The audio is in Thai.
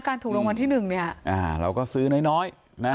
ถูกรางวัลที่หนึ่งเนี่ยอ่าเราก็ซื้อน้อยน้อยนะ